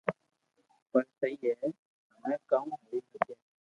پر سھي ھي ھمي ڪاو ھوئي ھگي